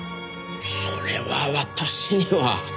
それは私には。